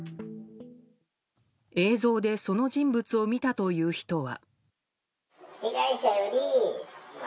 映像で、その人物を見たという人は。